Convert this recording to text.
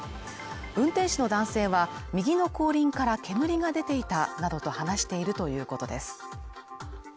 運転士の男性は右の後輪から煙が出ていたなどと話しているということです。